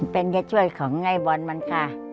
เป็นจะช่วยของไอ้บอลมันค่ะ